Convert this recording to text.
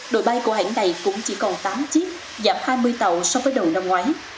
đội bay của hãng này cũng chỉ còn tám chiếc giảm hai mươi tàu so với đầu năm ngoái